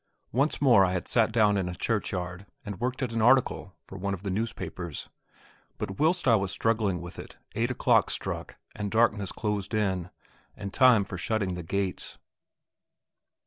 Once more I had sat out in a churchyard and worked at an article for one of the newspapers. But whilst I was struggling with it eight o'clock struck, and darkness closed in, and time for shutting the gates.